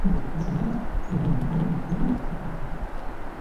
None of these districts have the same border in the community.